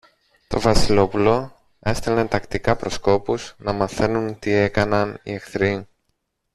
Το Βασιλόπουλο έστελνε τακτικά προσκόπους, να μαθαίνουν τι έκαναν οι εχθροί.